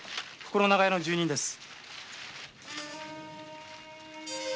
この長屋の住人です。